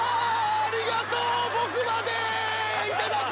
ありがとう！